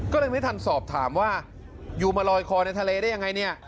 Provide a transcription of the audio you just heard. ก็เลยไม่ทันสอบถามว่าอยู่มาลอยคอในทะเลได้ยังไงเนี่ย